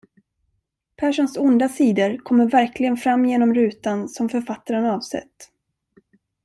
Perssons onda sidor kommer verkligen fram igenom rutan som författaren avsett.